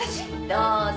どうぞ。